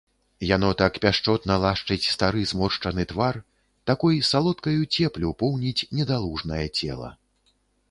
Яно так пяшчотна лашчыць стары зморшчаны твар, такой салодкаю цеплю поўніць недалужнае цела.